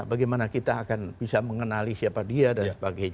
bagaimana kita akan bisa mengenali siapa dia dan sebagainya